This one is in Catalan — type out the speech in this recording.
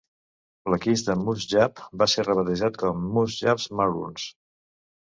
L'equip de Moose Jaw va ser rebatejat com a Moose Jaw Maroons.